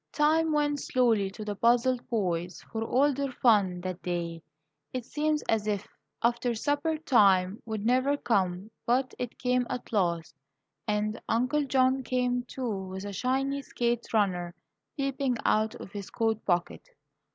Time went slowly to the puzzled boys, for all their fun that day. It seemed as if "after supper time" would never come; but it came at last, and Uncle John came, too, with a shiny skate runner peeping out of his coat pocket.